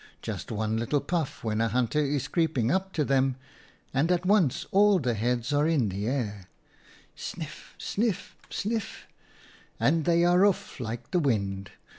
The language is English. Just one little puff when a hunter is creeping up to them, and at once all the heads are in the air — sniff, sniff, sniff — and they are off like the wind.